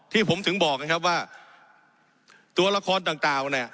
ที่ผมถึงบอกไงครับว่าตัวละครต่างเนี่ย